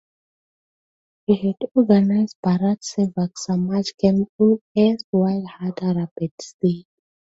He had organised Bharat Sevak Samaj Camp in erstwhile Hyderabad State.